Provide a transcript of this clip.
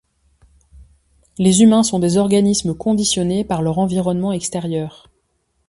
Les humains sont des organismes conditionnés par leur environnement extérieur.